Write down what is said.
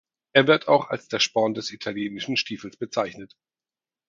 Er wird auch als der Sporn des italienischen Stiefels bezeichnet.